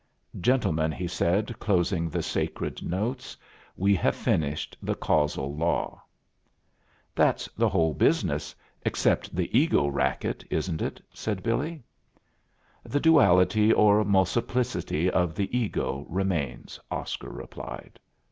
"Gentlemen," he said, closing the sacred notes, "we have finished the causal law." "That's the whole business except the ego racket, isn't it?" said Billy. "The duality, or multiplicity of the ego remains," Oscar replied.